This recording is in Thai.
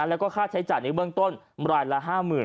แล้วก็ค่าใช้จ่ายในเบื้องต้นรายละ๕๐๐๐